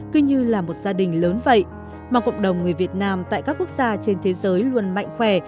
cứ như là một gia đình lớn vậy mà cộng đồng người việt nam tại các quốc gia trên thế giới luôn mạnh khỏe